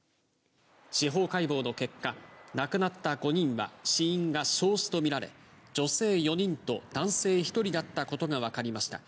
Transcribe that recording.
司法解剖の結果、亡くなった５人は死因が焼死と見られ、女性４人と男性１人だったことが分かりました。